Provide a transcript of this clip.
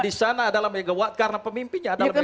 dan di sana adalah megawati karena pemimpinnya adalah megawati